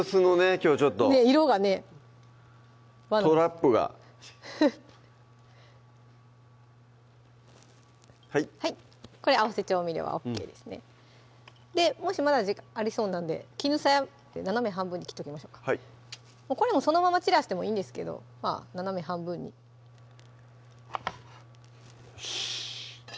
きょうちょっと色がねトラップがこれ合わせ調味料はＯＫですねもしまだ時間ありそうなんできぬさやって斜め半分に切っときましょうかこれもそのまま散らしてもいいんですけどまぁ斜め半分によし！